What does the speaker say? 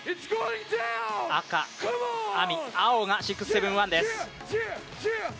赤、ＡＭＩ、青が６７１です。